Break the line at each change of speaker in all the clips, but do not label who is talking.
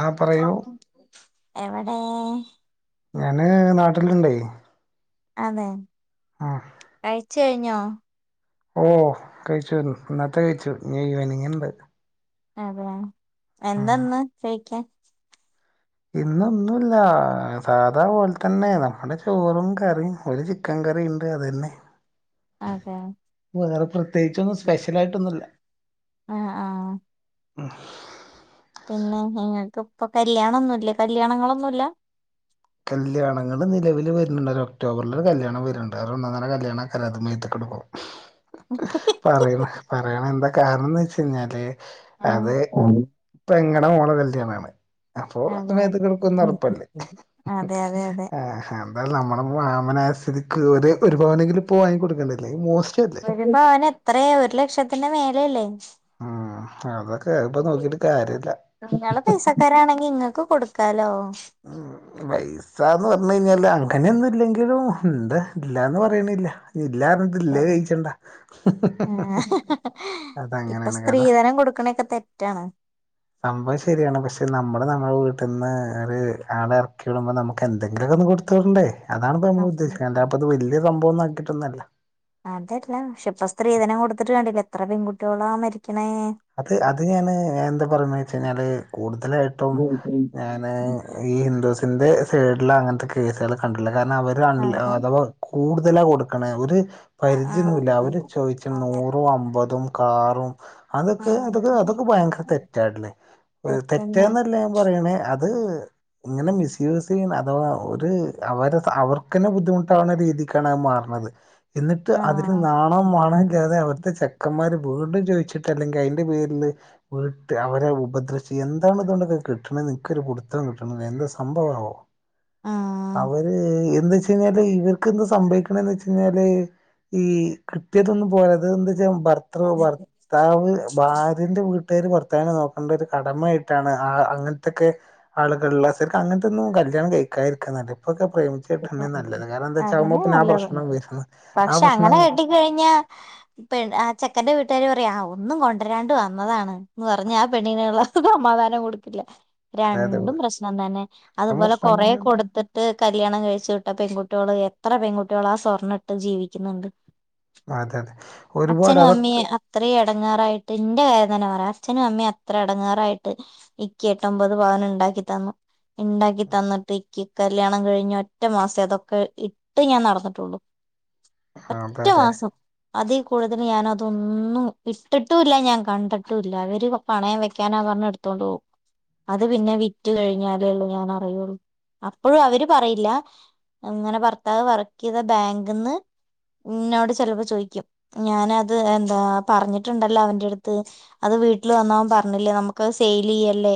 ആ പറയൂ
എവടേ
ഞാന് നാട്ടിലുണ്ടേയ്
അതെ കഴിച്ച് കഴിഞ്ഞോ?
ഓ കഴിച്ചു ന്നത്തെ കഴിച്ചു ഞ്ഞി ഈവനിങ്ങ്ണ്ട്
അതെ എന്താന്ന് ചൊയ്ക്കാൻ
ഇന്നൊന്നൂല്ല സാദാപോൽ തന്നെ നമ്മുടെ ചോറും കറിയും ഒരു ചിക്കൻ കറീണ്ട് അതന്നെ
അതെ
വേറെ പ്രത്യേകിച്ചൊന്നും സ്പെഷ്യലായിട്ടൊന്നുല്ല
ആഹ് ആഹ് പ്പൊ കല്യാണൊന്നുല്ലേ കല്യാണങ്ങളൊന്നൂല്ല
കല്യാണങ്ങൾ നിലവിൽ വരുന്നുണ്ട് ഒക്ടോബറില് കല്യാണം വരുന്നുണ്ട് അത് ഒന്നെന്നെര കല്യാണം അത് മേത്തു കിടക്കും പറയ പറയണ എന്താ കാരണംന്ന് വെച്ച്കഴിഞ്ഞാല്
ഉം
അത് പെങ്ങളെടെ മോള കല്യാണാണ് അപ്പൊ അത്
അതെ
മേത്ത് കിടക്കും എന്ന് ഒറപ്പല്ലേ
അതെ അതെ അതെ
ആഹ് എന്തായാലും നമ്മള് മാമൻ ആയ സ്ഥിതിക്ക് ഒരു പവനെങ്കിലും ഇപ്പോ വാങ്ങിക്കൊടുക്കേണ്ട അല്ലെങ്കിൽ മോശ
ഒരു പവന് എത്രയാ ഒരു ലക്ഷത്തിന്റെ മേലയല്ലേ
ഉം അതൊക്കെ ഇപ്പൊ നോക്കിട്ട് കാര്യല്ല
നിങ്ങള് പൈസക്കാരാണെങ്കി ഇങ്ങക്ക് കൊടുക്കാലോ
ഉം പൈസാന്ന് പറഞ്ഞ് കഴിഞ്ഞാല് അ അങ്ങനെയൊന്നും ഇല്ലെങ്കിലും ഉണ്ട് ഇല്ലാന്ന് പറയണില്ല ഇല്ലാന്ന് ഇല്ലയ്
ആഹ്
കയിച്ചണ്ട അത് അങ്ങനെയാണ് കഥ
ഒക്കെ തെറ്റാണ്
സംഭവം ശരിയാണ് പക്ഷെ നമ്മള് നാ നമ്മളെ വീട്ടിൽന്ന് ഒരു ആള ഇറക്കി വിടുമ്പോൾ നമുക്ക് എന്തെങ്കിലുമൊക്ക ഒന്ന് കൊടുത്ത് വിടണ്ടേ അതാണ്പ്പേ നമ്മൾ ഉദ്ദേശിക്കുന്നത് അല്ലതെപ്പോ ഇത് വലിയ സംഭവം ഒനാക്കിയിട്ടൊന്നല്ല
അതല്ല പക്ഷേ ഇപ്പം സ്ത്രീധനം എത്ര കൊടുത്തിട്ട് കണ്ടില്ല എത്ര പെകുട്ടികളാ മരി
അത് അത് ഞാന് എന്താ പറയ്ണെ വെച്ച് കഴിഞ്ഞാല് കെടു ലായിട്ടും ഞാന് ഈ ഹിന്ദുസിന്റെ സൈഡില് അങ്ങനത്തെ കേസുകൾ കണ്ടിള്ളയ് കാരണം അവര്
അതെ
അഥവാ കൂടുതലാ കൊടുക്കണ് ഒരു
ആ ആ
പരിധിയൊന്നുമില്ല അവര് ചോദിച്ച
അതെ
നൂറും അമ്പതും കാറും
ആ
അതൊക്കെ അതൊക്കെ അതൊക്കെ ഭയങ്കര തെറ്റാല്ലേ
തെറ്റന്നെ
തെറ്റാന്നല്ലേ പറയണേ അത് ഇങ്ങനെ മിസ്യൂസ് ചെയ്യ അഥവാ ഒരു അവരെ അവർക്കന്നെ ബുദ്ധിമുട്ടാവുന്ന രീതിക്കാണ് അയ് മാറ്ണത് എന്നിട്ട്
ആ
അതിൽ നാണോ വണില്ലാതെ അവരുത്തെ ചെക്കന്മാര് വീണ്ടും ചോദിച്ചിട്ട് അല്ലെങ്കിൽ അതിന്റെ പേരിൽ വീട്ട് അവരെ ഉപദ്രശി എന്താണ് ഇതുകൊണ്ടൊക്കെ കിട്ടണ നിനക്ക്ൊരു കൊടുത്ത യോട്ടുന്നത് എന്ത സംഭവാണോ
ആ
അവര് എന്താ വെച്ച കഴിഞ്ഞാല് ഇവർക്ക് എന്ത്സംഭവിക്ണ എന്ന് വച്ചഴിഞ്ഞാല് ഈ ക്രിത്യ ട്ടൊന്നും പോര ത് ന്ത് രും ഭർതൃ
അതെ
ഭർത്താവ് ഭാര്യന്റെ വീ തേര് ഭർത്താവിനെ നോക്കേണ്ട ഒരു കടമ ആയിട്ടാണ് ആഹ് അങ്ങൻത്തെക്കെ ആളുകളുള്ള സെര്ക് അങ്ങൻത്തെന്നും കര് ല്ല്യാണം കഴിക്കാതിരിക്ക നല്ലത് ഇപ്പൊക്കെ പ്രേമിച്ചിട്ടന്നെ നല്ലത് കാരണം എന്താച്ചാഉമ്പോ
അതന്നെ
പിന്നെ ആ
നല്ലത്
പ്രശ്ന വരുന്നല്ല ആ പ്രശ്ന
പെൺ ആഹ് ചെക്കന്റെ വീട്ടാര് പ റിയാ ഒന്നും കൊണ്ട്രാണ്ട് വന്നതാണ് ന്ന് പർഞ് ആഹ് പെണ്ണിന്ള്ള മാധാനം കൊടുക്കില്ല
അതെ അതെ
രണ്ടും പ്രശ്നം തന്നെ
വീണ്ടും
അതുപോലെ
പ്രശ്നം
കൊറേ
തന്നെയാണ്
കൊടുത്തിട്ട് ല്യാണം കഴിച്ചു വിട്ട പെൺകുട്ടിള് എത്ര പെൺകുട്ടിളാ ആഹ് സ്വർണ്ണട്ട് ജീവിക്കുന്നുണ്ട്.
അതെ അതെ ഒരുപാട്
അച്ഛനും അമ്മി
അതൊക്കെ
അത്രയും എടങ്ങേറായിട്ട് ന്റെ കാര് തെന്ന പറയാ അച്ഛനും അമ്മേ അത്ര എടങ്ങാറായിട്ട് ഇക്ക് എട്ടൊമ്പത് പവന് ണ്ടാക്കി തന്നു. ഇണ്ടാക്കി തന്നിട്ട്രിക്കി കല്യാണം കഴി ഞ്ഞ ഒറ്റ മാസേ അതൊക്കെ ഇട്ട് ഞാൻ നടന്നിട്ടുള്ളു
അതെതെ
അതിൽ കൂടുതൽ ഞാാന അതൊന്നും ഇട്ടിട്ടുംല്ല ഞാൻ കണ്ടിട്ടുംല്ല അവര് പണയം വെക്കാന പറഞ്ഞ് എടുത്തണ്ട് പോവും അത് പിന്നെ വിറ്റ് കഴിഞ്ഞാലേള്ളൂ ഞൻ അറിയുള്ളൂ അപ്പോഴും അവര് പറയില്ല അങ്ങനെ ഭർത്താവ് വർക്ക് ചെയ്ത ബാങ്കന്ന് ഇന്നോട് ചെിലപ്പോ ചോയ്ക്കും ഞാനത് എന്താ പറഞ്ഞിട്ടുണ്ടല്ലോ അവന്റെ അടുത്ത് അത് വീട്ടിൽ വന്നവൻ പറഞ്ഞില്ലേ നമുക്ക് സെയിൽ ചെയ്യല്ലേ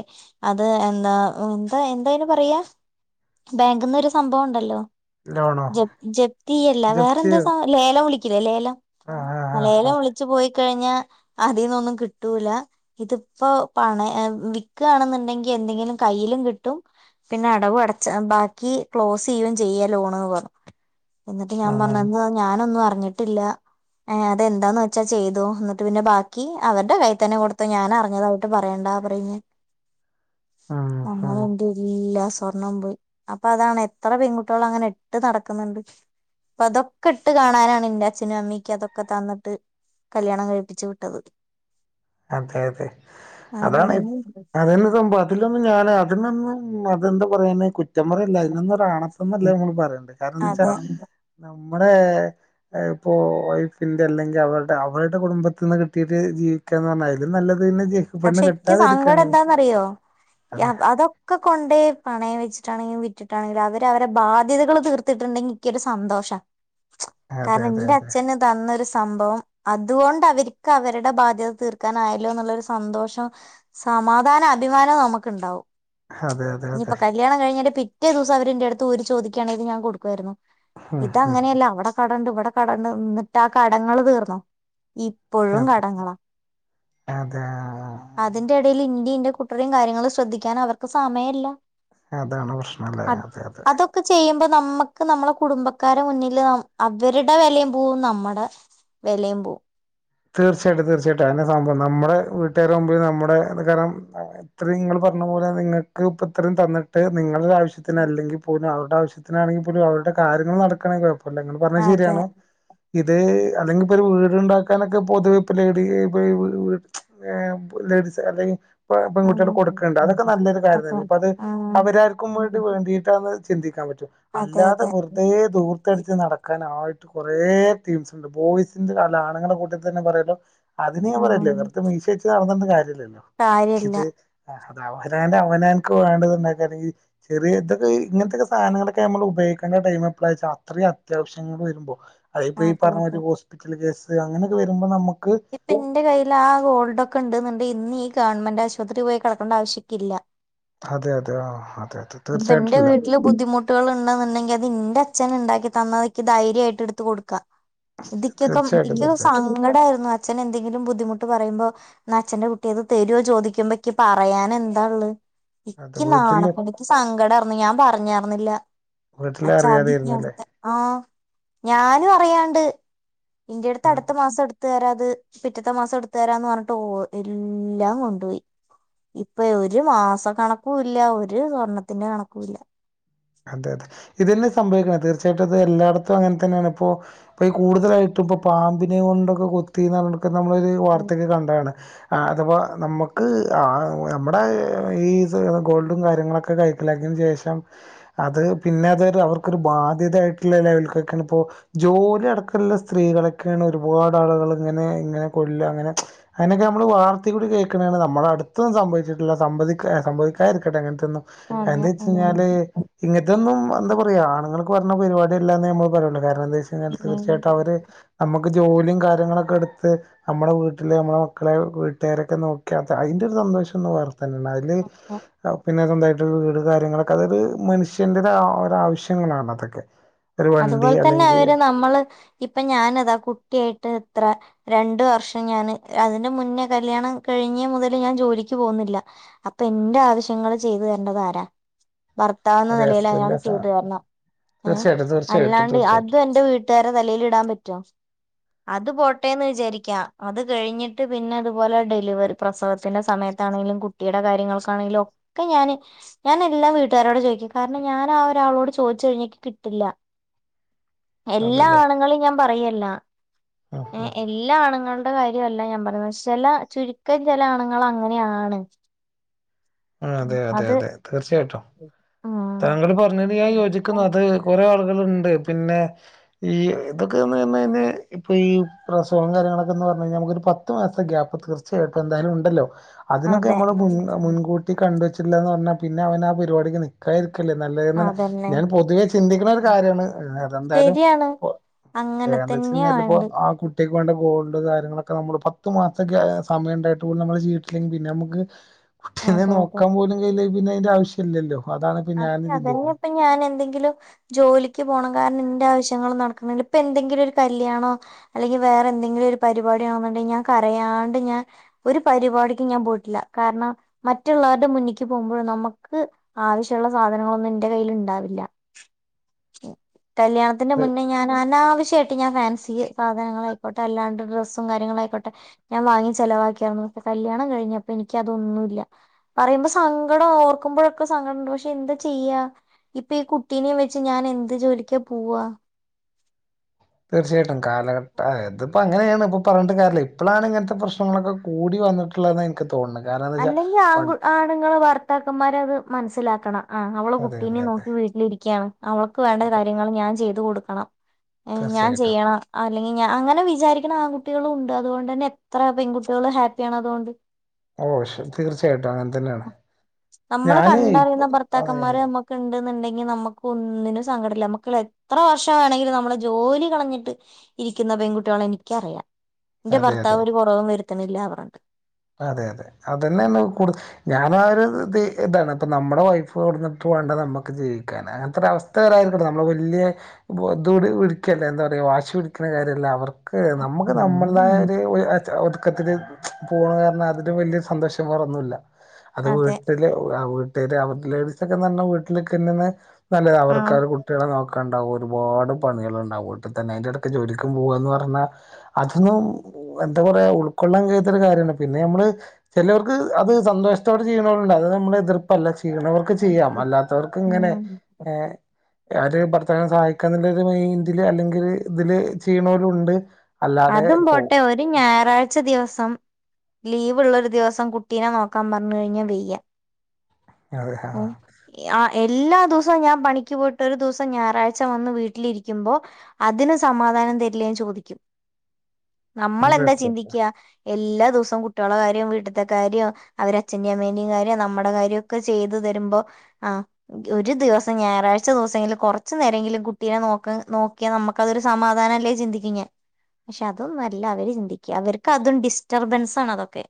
അത് എന്താ എന്താ എന്തായന് പറയാ [unintelligible] ബാങ്കിൽ നിന്ന് ഒരു സംഭവം ഉണ്ടല്ലോ
ലോണോ
ജപ് ജപ്തിയല്ല
ജപ്തിയോ
വേറെന്താ ലേലം വിളിക്ക ക്കുലേലേലം
ആ ആ ആ ആ
അലേലം വിളിച്ച് പോയി ച്ച്കഴിഞ്ഞഅതിൽന്നൊന്നും കിട്ടൂല ഇതിപ്പോ പണ വിക്കണുണ്ടെങ്കിൽ എന്തെങ്കിലും കയ്യിലും കിട്ടും പിന്നെ അടവ് അടച്ചു ബാക്കി ക്ലോസ് ചെയ്യ ചെയ്യ ലോൺന്ന് പറഞ്ഞു എന്നിട്ട് ഞാൻ
ഉം
പറഞ്ഞ ഞാനൊന്നും അറി റഞ്ഞിട്ടില്ല ഏ അതെന്താന്ന് വെച്ചാൽ ചെയ്തു എന്നിട്ട് പിന്നെ ബാക്കി അവരുടെ കൈത്തന്നെ കൊടുത്തു ഞാൻ അറിഞ്ഞതായിട്ട് പറയണ്ടത് ആപറഞ്ഞ
ഉം
അങ്ങനെ
ഉം
എന്റെ എല്ല സ്വർണം പോയി അപ്പൊ അതാണ് എത്ര പെൺകുട്ടികൾ അങ്ങനെ ഇട്ട് നടക്കുന്നുണ്ട് അപ്പൊ അതൊക്കെ ഇട്ട് കാണാനാണ് എറെ അച്ഛനും അമ്മിക്ക് അതൊക്കെ തന്നിട്ട് കല്യാണം കഴിപ്പിച്ചു വിട്ടത്
അതെ അതെ അതാണ്
അതൊന്നും
അതന്ന് സംഭവതിലൊന്നും ഞാന അതിനൊന്നും അതെന്താ പറയാന് കുറ്റ റ്റം പറല്ല അതിനൊന്നൊരാണത്തന്നല്ലേ നമ്മൾ പറയണ്ട് കാരണം എന്താ വെച്ചാ
അതെ
നമ്മുടെ ഇപ്പോ വൈഫിന്റെ അല്ലെങ്കിൽ അവരുടെ അവരുടെ കുടുംബത്തി നിന്ന് കിട്ടിയിട്ട് ജീ ക്കാന്ന്പറഞ്ഞാലഅതിനും നല്ല
പക്ഷെക്ക് സങ്കടം എന്താന്ന്റിയോ
അതെ
അതൊക്കെ കൊണ്ട പണയം വെച്ചിട്ടാണെങ്കിലും വിറ്റിട്ടാണെങ്കിലും അവര് അവരെ ബാധ്യതകള് തീർത്തിട്ടുണ്ടെങ്കിൽ എിക്കൊരു സന്തോഷം
അതെ
കാരണം
അതെ
എന്റെ അച്ഛന് തന്നൊരു സംഭവം അതുകൊണ്ട് അവർക്ക് അവരുടെ ബാധ്യത തീർക്കാനായാലോ എന്നുള്ളരു സന്തോഷം സമാധാന അഭിമാനവും നമുക്ക് ഉണ്ടാവും
അതെ അതെ അതെ അതെ
ഇനിയിപ്പോ കല്യാണം കഴിഞ്ഞട്ട പി റ്റേ ദിവസം അവരെന്റെറ അടുത്ത് ഊരി ചോദിക്കയാണെങ്കിൽ ഞാൻ കൊടുക്കുായിരുന്നു
ഉം
ഇത
ഉം
അങ്ങനെയല്ല അവിടെ കടണ്ട് ഇവിടെ കടണ്ട് നിട്ടാ കടങ്ങള്ൾ തീർന്നോ ഇപ്പോഴും
അതെ
കടങ്ങളാ
അതെ
അതിന്റെ ഇടയിൽ ഇന ഇന്റെ കുട്ടറയും കാര്യങ്ങളും ശ്രദ്ധിക്കാൻ അവർക്ക് സമയമല്ല
അതാണ് പ്രശ്നല്ലേ
അ
അതെ അതെ
അതൊക്കെ ചെയ്യുമ്പോ നമ്മുക്ക് നമ്മളെ കുടുംബക്കാര മുന്നില് അവരുടെ വിലയും പോവും നമ്മുടെ വെലയും പോവും
തീർച്ചയായ്ട്ടും തീർച്ചയായ്ട്ടും അഎന്നെ സംഭവം നമ്മുടെ വീട്ടാരാമ്പൊ നമ്മടെ കാര്ണം ത്രയും നിങ്ങള് പ ർഞ്ഞ പോലെ നിങ്ങക്ക് പ്പ ഇത്രയ്മ് തന്നിട്ട് നിങ്‌ ങ്ങളുടെ ആവശ്യത്തിന് അല്ലെങ്കിൽ പോലും അവര്ടെ ആവശ്യനാണെങ്കി പോലും അവരുടെ കാര്യങ്ങള് നടക്കണെങ്കി ങ്ങള് പർഞ്ഞെ
അതെ
ശരിയാണ് ഇത് അല്ലെങ്കി പ്പൊ ഒരു വീട്ണ്ടാക് കണക്ക് പൊതുവെ ഇപ്പ ലേഡീ [unintelligible] ലേഡീസ് അല്ലെങ്കി പെൺകുട്ട്യള് കൊടുക്കുണ്ട് അതൊക്കെ നല്ലൊരു
അപ്പൊ
കാര്യല്ല ഇപ്പൊ അത്
ആഹ്
അവരാർക്കും വേണ്ടി വേണ്ടിയിട്ടന്ന് ചിന്തിക്കാ റ്റും
അതെ
അല്ലാതെ
അതെ
വെർതേ ദൂർത്തട്ച്ച് നടക്കാൻ ആ കുറേ ടീംസ് ണ്ട് ബോയ്സിന്റെ അല്ല ആണുങ്ങളെ കൂട്ട് തന്നെ കൊറേണ്ണം അതിന് ഞാൻ പറയില്ലോ
ഉം
വെർതെ മീശ വെച്ച് നടന്ന്ന്ന് കാര്യല്ലല്ലോ
കാര്യല്ല
ഇതേ അവ് അതായ്ത് അവനെ അനക് വേണ്ടത്ണ്ടാ [unintelligible] യ്യി ചെറിയ തൊക്കെ ഈ ഇങ്ങൻത്തൊക്കെ സാനങ്ങളൊക്കെ അമ്മള് ഉപയോഗിക്കെണ്ട ടൈമ് എപ്പളാ ച്ച അത്രെയും അത്യാവശ്യങ്ങള് വര്മ്പോ അയ് പ്പോ ഈ
അതെ
പർഞ്ഞായ്രി
അതെ
ഹോസ്പിറ്റൽ കേസ് അങ്ങനെക്ക വരുമ്പോ നമുക്
ഇപ്പ ഇന്റെ കയ്യിൽ ആ ഗോൾഡൊക്ക ണ്ട്ന്ന്ണ്ട് ഇന്നീ ഗവൺമെന്റ് ആശുപത്രി പോയി കടക്കണ്ട ആവശ്യിക്കില്ല
അതെ അതെ ആ ഹ്
ഇപ്പ ന്റെ വീട്ട്ല് ബുദ്ധിമുട്ടള് ണ്ട്ന്നുണ്ടെങ്കി അത് ന്റെ അച്ഛന് ണ്ടാക്കി തന്നതൊക്കെ ധൈര്യായിട്ട് എടുത്ത് കൊടുക്കാ തിക്ക്‌യൊക്ക
തീർച്ചയായിട്ടും
മ്
തീർച്ചയായിട്ടും
സങ്കടാര്ന്നു അച്ഛന് എന്തെങ്കിലും ബുദ്ധിമു ട്ട് പറയുമ്പോ ന്ന അച്ഛന്റെ കുട്ടിയത് തെരുവോ ചോദിക്കുമ്പോ ക്കിപറയാന് എന്താ ള്ള
അതെ
ഇക്ക്
വീട്ടില്
നാണക്കെട് ക്കി സങ്കടാർന്ന് ഞാൻ പറഞ്ഞർന്നില്ല
വീട്ടില്
അച്ച അതി
അറിയാതെയിരുന്നല്ലേ
ആഹ് ഞാനു റയാണ്ട് ഇന്റെട്ത്ത്
ആ
അട്ത്ത് മാസം എടുത്തെരാ ത് പിറ്റത്തെ മാസം എടുത്ത തരാന്ന് പർഞ്ഞ്ട്ട് ഒ എല്ലാം കൊണ്ടുപോയി ഇപ്പ ഒരു മാസ കണക്കു ഇല്ല ഒരു സ്വർണത്തിന്റെ കണക്കുല്ല
അതെ അതെ ഇതെന്നെ സംഭവിക്ക്‌ണെ തീർച്ചയായിട്ടും അത് എല്ലായിടത്തും അങ്ങൻ തെന്നെണ് ഇപ്പോ ഇ കൂടുതലായിട്ട് ഇപ്പൊ പാമ്പിനെ കൊണ്ടൊക്ക കൊത്തിന്നർഞ്ഞ്ട്ട് ക്ക നമ്മളൊരു വാർത്തൊക്കെ കണ്ടാണ് ആ അത്പ്പോ നമ്മക്ക് ആ നമ്മുടെ ഈ ഗോൾഡും കാര്യങ്ങളൊക്കെ കയ്ക്കലാക്കി ശേഷം അത് പിന്നെ അതൊര് അവർക്കൊരു ബാധ്യത ആയിട്ട്ള്ള ലെവൽക്കൊക്കെണ് പ്പോ ജോലി അടക്കള്ള സ്ത്രീ ൾക്കെനെ ഒരുപാട് ആളുകൾ ഇങ്ങനെ ങ്ങനെ കൊല്ല അങ്ങനെ അങ്ങനെക്കെ അമ്മള് വാർത്തെ കൂടി കേക്ക്‌ണാണ് നം മ്മള അട്ത്തും സംഭവിച്ചിട്ടില്ല സമ്മതിക്കെ സംഭവിക്കാരിക്കട്ടെ എങ്ങൻത്തൊന്നും
അതെ
എന്ത്‌
ഉം
ച്ചയ്ഞ്ഞാല് ഇങ്ങൻത്തൊന്നും എന്താ പറയാ ആണ്ങ്ങൾക്ക്‌ പർഞ്ഞ പെര്പാട്യല്ലാന്ന് നമ്മൾ പറിണ കാരണം ന്താ ച്ചയ്ഞ്ഞാല് തീർച്ചയ്ട്ടു അവര് അമ ക്ക്‌ ജോലിയും കാര്യങ്ങളൊക്കെ എടുത്ത് നമ്മുടെ വീട്ടില് നമ്മെടെ മക്കളെയൊ വീട്ട്കാരൊക്കെ നോക്കി അതാ അയ്ന്റൊര് സ സന്തോശൊന്ന് വേറെ ത്തന്നെണ് അത് പിന്നെ സൊന്തായിട്ട് വീട് കാര്യങ്ങളൊക്കെ അതയ്ത് മനുഷ് ഷ്യന്റെ ഒരാ ആവശ്യങ്ങളാണ് അതൊക്കെ ഒരു വണ്ടി
അതുപോലെ തന്നെ
അല്ലെങ്കിൽ
അവര് നമ്മള് ഇപ്പ ഞാനതാ കുട്ടിയായിട്ട് ത്ര രണ്ട് വർഷം ഞാന് അതിന്റെ മുന്നേ കല്യാണം കഴിഞ്ഞെ മുതല് ഞാൻ ജോലിക്ക് പോവ്ന്നില്ല അപ്പൊ എന്റെ ആവശ്യങ്ങള് ചെയ്തു തര്ണ്ടത് ആരാ ഭർത്താവെന്ന
ഒരു
നെലേല് അയാള്
ഹസ്ബൻഡ്
ചെയ്തു തര്ണം ഏ
തീർച്ചയായിട്ടും തീർച്ചയായിട്ടും
അല്ലാണ്ട്
തീർച്ചയായിട്ടും
അതും എന്റെ വീട്ട്കാരെ തലേല് ടാൻ പറ്റോ അത് പോട്ടേന്ന് വിചാരിക്കാം അത് കഴിഞ്ഞിട്ട് പിന്നെ അതുപോലെ ഡെലിവറി പ്രസവത്തിന്റെ സമയത്താണെങ്കിലും കുട്ടിയുടെ കാര്യങ്ങൾക്കാണെങ്കിലും ഒക്കെ ഞാന് ഞാൻ എല്ലാം വീട്ടുകാരോട് ചോയ്ക്കും കാര്ണം ഞാന ആ ഒരാളോട് ചോയ് പോച്ചഴിഞ്ഞിക്ക് കിട്ട്ല്ല എല്ലാ
അതല്ലേ
ആണുങ്ങളും ഞാൻ പറയല്ല
ആ
ഏ എല്ലാ ആണുങ്ങൾ ടെ കാര്യമല്ല ഞാൻ പറഞ്ഞ ചെല ചുരുക്കം ചെല അണുങ്ങള് അങ്ങനെയാണ്
അതെ അതെ
അത്
അതെ തീർച്ചയായ്ട്ടും
ഉം
താങ്കൾ പറഞ്ഞത് ഞാൻ യോജിക്കുന്നു അത് കുറേ ആൾ ള്ണ്ട് പിന്നെ ഈ ഇതൊക്കെ ന്ന ന്നയ് ഇപ്പൊ ഈ പ്രസവം കാര്യങ്ങളൊക്കെ നോ പർനയ്ഞ്ഞാ അമുക്ക് ഒരു പത്ത് മാസ്ത്ത ഗാപ്പ് തീർച്ചയായ്ട്ടും എന്താലും ഉണ്ടല്ലോ അതിനൊക്കെ
അതെ
നമ്മള് മുൻ മുൻകൂട്ടി കണ്ടുവെച്ചില്ലന്ന് പറഞ്ഞാൽ പിന്നെ അവൻ ആ പരിപാടിക്ക് നിക്കാരുന്നു നല്ലാണ്
അതന്നെ
ഞാൻ പൊതുവേ ചിന്തിക്കണ ഒരു കാര്യമാണ്തെന്തായാലും
ശരിയാണ്
ഇ അതെ
അങ്ങനെ
എന്താ വെച്ച
തന്നെയാ
കഴിഞ്ഞാപ്പോ
വേണ്ടത്
ആ കുട്ടി ഒേക്ക് വേണ്ട ഗോൾഡ് കാര്യങ്ങളൊക്കെ നമ്മള് പത്ത് മാസ സമയം ഉണ്ടായിട്ട് പോലെ നമ്മള് ചെയീട്ടില്ലെങ്കിൽ പിന്നെ നമുക്ക് കുട്ടീനെ
അതെ അതെ
നോക്കാൻ പോലും കയ്യില്ലേ പിന്നെ അതിന്റെ ആവശ്യമല്ലല്ലോ
അതെ അതന്നെ ഇപ്പ ഞാൻ എന്തെങ്കിലും ജോലിക്ക് പോണം കാര എന്റെ ആവശ്യങ്ങൾ നടക്കണങ്ക ഇപ്പപ്പോ എങ്കിലും ഒരു കല്യാണോ വേറെ എന്തെങ്കിലും ഒരു പരിപാടാണോ ണ്ട് ഞൻ ഒരു പരിപാടിക്ക് ഞാൻ പോട്ടില്ല കാരണം മറ്റുള്ളവരുടെ മുന്നിക് പോമ്പോ നമക്ക് ആവശ്യമുള്ള സാധനങ്ങളൊന്നും എന്റെ കയ്ൽ ഉണ്ടാവില്ല കല്യാണത്തിന്റെ
ത്-
മുന്നേ ഞാൻ തീച്ചയട്ട ഞാൻ ഫാൻസി സാധനൾായിക്കോട്ടെ അല്ലാണ്ട് ഡ്രസ്സും കാര്യങ്ങളായിക്കോട്ടെ ഞാൻ വാങ്ങി ചിലവാക്കിയിരുന്നു കല്യാണം കഴിഞ്ഞപ്പൊ എനിക്ക അതൊന്നുമല്ല പറയുമ്പോ സങ്കടം ഓർക്കുമ്പോഴൊക്കെ സങ്കടംണ്ട് പക്ഷെ എന്താ ചെയ്യ ഇപ്പൊ ഈ കുട്ടീനെയ വെച്ച് ഞാൻ എന്ത് ജോലിക്കാ പോവാ [inaudible]
തീർച്ചയായിട്ടും കാലഘട്ട ഇതിപ്പോ അങ്ങനെയാണ് ഇപ്പൊ പറഞ്ഞിട്ട് കേയ ഇപ്പോഴാണ് ഇങ്ങനത്തെ പ്രശ്നങ്ങളൊക്കെ കൂടി വന്നിട്ടുള്ള എനക്ക്
അല്ലെങ്കിൽ ആ ആണുങ്ങൾ ഭർത്താക്കന്മാരെ അത് മനസ്സിലാക്കണം ആ അവള്
അതെ അതെ
കുട്ടീനെ
അതെ
നോക്കി വി രിക്കയാണ് അവൾക്ക് വേണ്ട
അതെ
കാര്യങ്ങൾ ഞാൻ ചെയ്തു കൊടുക്കും ണം ഞാൻ
തീർച്ചയായിട്ടും
ചെയ്യണം അല്ലെങ്കിൽ ഞാൻ അങ്ങനെ വിചാരിക്കണം ആൺകുട്ടികളും ഉണ്ട് അതുകൊണ്ട് തന്നെ എത്ര പെൺകുട്ടികളും ഹാപ്പിയാണ് അതുകൊണ്ട്
ഓ തീർച്ചയായിട്ടും അങ്ങനെ തന്നെയാണ്
നമ്മള്
ഞാന്
കണ്ടറിയുന്ന
ഇപ്പ അതെ
ഭർത്താക്കന്മാര് നമ്മുക്ക് ഉണ്ടെന്നുണ്ടെങ്ക നമ്മുക്ക് ഒന്നിനും സങ്കടം ഇല്ല എത്ര വർഷം ആണെങ്കിലും നമ്മള് ജോലി കളഞ്ഞിട്ട് ഇരിക്കുന്ന പെൺകുട്ടികളെ എനിക്കറിയാം എന്റെ
അതെ അതെ
ഭർത്താവ് ഒരു കുറവും വരുത്തണില്ല അവരുണ്ട്
അതെ അതെ അതന്നെയ കൂടുത ഞാൻ ആ ഒരു ഇത് ഇതാണ് ഇപ്പ നമ്മുടെ വൈഫ്ഞ്ഞിട്ട നമ്മുക്ക് ജീവിക്കാൻ അങ്ങനത്തെ ഒരു അവസ്ഥായിരിക്കട്ടെ നമ്മള് വഴ എന്താ പറ വാശി പിടിക്കുന്ന കാര്യമല്ല അവർക്ക് നമുക്ക് നമ്മളുടൊയ ഒരു ഒതുക്കത്തില് പോണ് കാര അതില് വലിയ സന്തോഷം വേറെ ഒന്നുമില്ല അത്
അതെ
വീട്ടില് അവടെ ലേഡീസ് ഒക്കെ വീട്ടിലൊക്കെന്ന നല്ലത് അവർക്ക്
ആഹ്
അവ കുട്ടികളെ നോക്ക ഉണ്ടാവ ഒരുപാട് പണികൾ ഉണ്ടാവും ഇട്ട തന്നെ അതിന്റെ ഇടക്ക് ജോലിക്കും പോകുകന്ന് പറഞ്ഞാൽ അതൊന്നും എന്താ പറയാ ഉൾക്കൊള്ളാൻ കാര്യമാണ് പിന്നെ നമ്മള് ചിലവർക്ക് അത് സന്തോഷത്തോടെ ചെയീണണ്ട് അത് നമ്മൾ എതിർപ്പല്ല ചെയീണവർക്ക് ചെയ്യാം അല്ലാത്തവർക്ക് ഇങ്ങനെ
ഉം
ഏ ആര് ഭർത്തവിനും സഹായിക്കാുള്ളരു മൈൻഡ് അല്ലെങ്കില് ഇതില് ചെയ്യണവലും ഉണ്ട്
അതും പോട്ടെ ഒരു ഞായറാഴ്ച ദിവസം ലീവ്ള്ളൊരു ദിവസം കുട്ടീനെ നോക്കാൻ പറഞ്ഞു കഴിഞ്ഞഞ് വെയ്യ
അതെ ആ
ആ എല്ലാ ദിവസവും ഞാൻ പണിക്ക് പോയിട്ട് ഒരു ദിവസം ഞായറാഴ്ച വന്ന് വീട്ടിലിരിക്കുമ്പോൾ അതിന് സമാധ നം തരില്ല ചോദിക്കും നമ്മൾെന്താ ചിന്തിക്ക
തീർച്ചയായിട്ടും
എല്ലാ ദിവസം കുട്ടികള കാര്യം വീട്ടത്തെ കാര്യോ അവര് അച്ഛന്റെയും അമ്മേന്റെയും കാര്യോ നമ്മുടെ കാര്യമൊക്കെ ചെയ്ത് തരുമ്പോ ആ ഒരു ദിവസം ഞായറാഴ്ച ദിവസംങ്ക കൊറച്ച നേരങ്കിലും കുട്ടീ നോക്ക നോക്കിയാ നമുക്കതൊരു സമാധാനം അല്ലേ ചിന്ദിക്കുന്നെ പക്ഷെ അതും നല്ല അവര് ചിന്തിക്കുക അവർക്ക് അതും ഡിസ്റ്റർബൻസ ആണ് അതൊക്കെ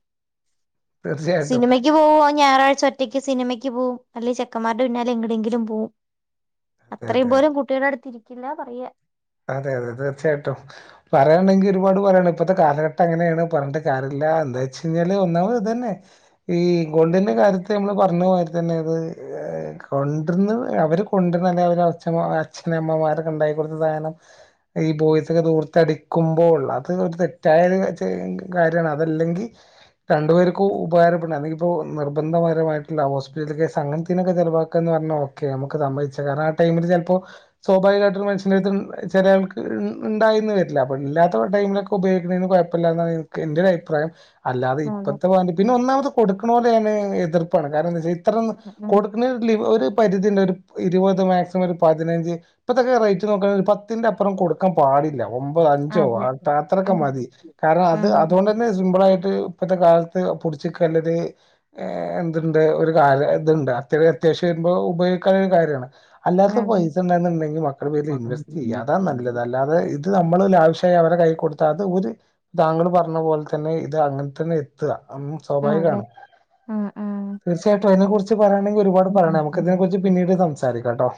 തീർച്ചയായിട്ടും
സിനിമക്ക് പോവ ഞായറാഴ്ച ഒറ്റയ്ക്ക് സിനിമയ്ക്ക് പോകവും അല്ലെ ചെക്കന്മാരുടെ പിന്നാലൽ ഇങ്ങനേംങ്കിലും പോവും
അതെ അതെ
അത്രയും
അതെ
പോലും കുട്ടികുടെ അടുത്തില്ല പറയ
അതെ അതെ തീർച്ചയായിട്ടും പറയുകയാണെങ്കിൽ ഒരുപാട് പോയാണ് ഇപ്പഴത്തെ കാലഘട്ടം അങ്ങനെയാണ് പറഞ്ഞിട്ട് കാര്യമില്ല അല്ല എന്താ വെച്ച കഴിഞ്ഞാല് ഒന്നാമത് ഇത് തന്നെ ഈ ഇ ഗോൾഡിന്റെ കാര്യത്തി നമ്മള് പറഞ്ഞ മാതിരി തന്നെ അത് കൊണ്ടിരുന്ന് അവർ കൊണ്ടിരുന്ന അല്ലെങ്കിൽ അവർ അച്ഛ അച്ഛനമ്മമാർക്ക ഉണ്ടായി കൊടുത്ത സാധനം
[inaudible]
ഈ ബോയിസൊക്കെ ദൂർത്ത് അടിക്കുമ്പോ ഉള്ള അത് ഒരു തെറ്റായ ഒരു കാര്യമാണ് അതല്ലങ്കി രണ്ടു പേർക്കു ഉപകാരപ്പെ ഇപ്പോ നിർബന്ധപരമായിട്ടുള്ള ഹോസ്പിറ്റൽ കേസ് അങ്ങനതിനൊക്കെ ചിലവാക്കാ ന്ന് പറഞ്ഞാ ഓക്കെ നമുക്ക് സമ്മേയിച്ച സംമ്മയിച്ച കാരണം ട്ടയിമിൽ ചെല്ലപ്പോ സ്വാഭാവികമായിട്ടു ഒരു മനുഷ്യന്റെ അട്ത്ത് ചിലാൾക്ക് ണ്ടായിന്ന് വരില്ല അപ്പൊ ഇല്ലാത്ത ടൈമിലൊക്കെ ഉപയോഗിക്കുന്നെന് കുഴപ്പമില്ല എന്നാണ് ക്ക് ന്റെ ഒരു അഭിപ്രായം അല്ലാതെ
അതെ
ഇപ്പത്ത മാത് പിന്നെന്നാമത് കൊടുണലന്നെ എതിർപ്പാണ് കാരണഎന്താച്ചാ അത്ര
ഉം ഉം
കൊടുക്ണെന് ല ഒരു പരിധി ഉണ്ട് ഒരു ഇരുപത് മാക്സിമം ഒരു പതിനഞ്ച് ഇപ്പതൊക്കെ റേറ്റ് നോക്കണ ഒരു പത്തിന്റെ അപ്പറം കൊടുക്കാൻ പാടില്ല ഒമ്പതോ അഞ്ചോ
അതെ
ആത് അത്രൊക്കെ
ഉം
മതി കാരണം അത്
ഉം
അതോണ്ടനെ സിമ്പിൾ ആയിട്ട് ഇപ്പത്ത കാലത്ത് പുട്ച്ച്ക്കാൻല്ലത് എ ന്ത്‌ണ്ട് ഒരു കാല ത്ണ്ടാ അത്യാവശ്യം വരുമ്പോ ഉപ ക്കാണ് കാര്യമാണ് അല്ലാത്ത
അതെ
പൈസ ഉണ്ടന്നുണ്ടെങ്കിൽ മക്കള പേര് ഇൻവെസ്റ്റ് ചെയ്യാ അതാ നല്ലത് അല്ലാതെ ഇത് നമ് നമ്മള് ലാവശ്യായി അവരെ കൈ കൊടുത്ത അത് ഒരു താങ്കള് പറഞ്ഞ പോലെ തന്നെ ഇത് അങ്ങനെ തന്നെ എത്തഅ മം
ആഹ് അതെ
സ്വാഭാവികാണ്
ആഹ് ആഹ്
തീർച്ചയായിട്ടും അയിനെ കുറിച്ച് പറയയാണെങ്കിൽ ഒരുപാട് പറയണം നമുക്ക് ഇതിനെ കുറിച്ച് പിന്നീട് സംസാരിക്കാ ട്ടോ